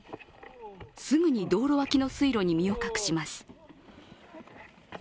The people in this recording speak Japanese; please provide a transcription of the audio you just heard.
すぐに道路脇の水路に身を隠します。